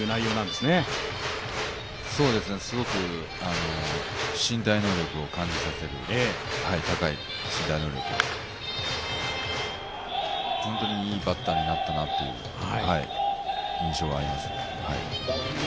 すごく高い身体能力を感じさせる、本当にいいバッターになったなという印象があります。